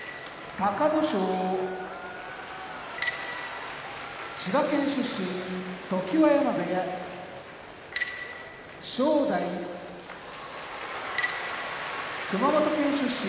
隆の勝千葉県出身常盤山部屋正代熊本県出身